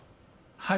はい。